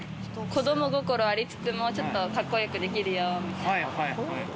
子供心ありつつも、ちょっとかっこよくできるよみたいな。